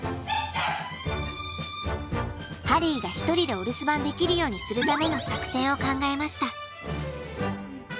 ハリーが一人でお留守番できるようにするための作戦を考えました。